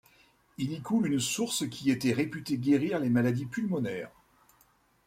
Il y coule une source qui était réputée guérir les maladies pulmonaires.